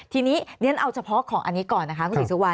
ทีนี้ฉะนั้นเอาเฉพาะของอันนี้ก่อนนะคะ